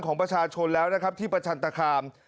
ของประชาชนแล้วนะครับที่ประชันตคาม